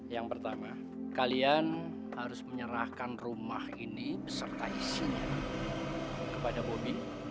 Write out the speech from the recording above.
yang pertama kalian harus menyerahkan rumah ini beserta isinya kepada bobi